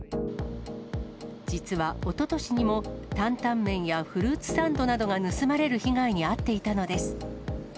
実は、おととしにも担々麺やフルーツサンドなどが盗まれる被害に遭っていたのです。